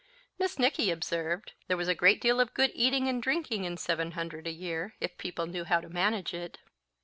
Miss Nicky observed "there was a great deal of good eating and drinking in seven hundred a year, if people knew how to manage it."